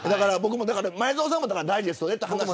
前園さんもダイジェストでという話。